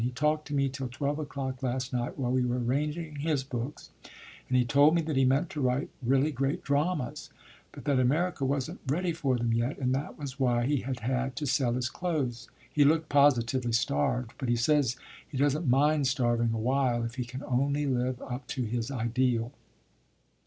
"He talked to me till twelve o'clock last night while we were arranging his books, and he told me that he meant to write really great dramas, but that America wasn't ready for them yet and that was why he had had to sell his clothes. He looked positively starved, but he says he doesn't mind starving a while if he can only live up to his ideal."